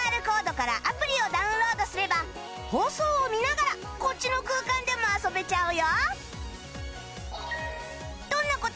ＱＲ コードからアプリをダウンロードすれば放送を見ながらこっちの空間でも遊べちゃうよ